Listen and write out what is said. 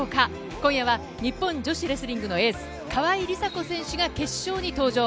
今夜は日本女子レスリングのエース、川井梨紗子選手が決勝に登場。